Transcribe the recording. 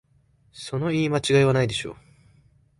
その言い間違いはないでしょ